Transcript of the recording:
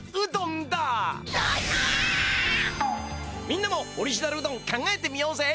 みんなもオリジナルうどん考えてみようぜ！